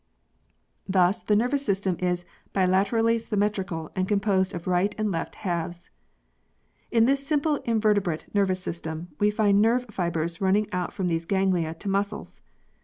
Thus the nervous system is bilaterally symmetrical and composed of right and left halves. In this simple invertebrate nervous system we find nerve fibres running out from these ganglia to muscles.